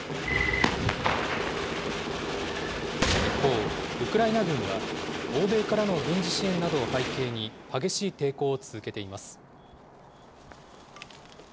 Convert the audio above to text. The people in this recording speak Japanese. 一方、ウクライナ軍は、欧米からの軍事支援などを背景に、激しい抵抗を続けています。